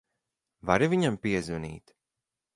Vari viņam piezvanīt?